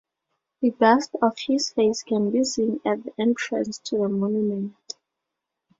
A bust of his face can be seen at the entrance to the monument.